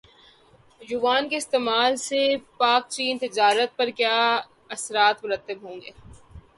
یوان کے استعمال سے پاکچین تجارت پر کیا اثرات مرتب ہوں گے